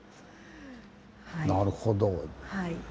なるほど。